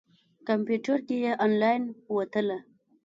کمپیوټر کې یې انلاین وتله.